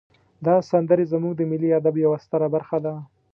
دا سندرې زمونږ د ملی ادب یوه ستره برخه ده.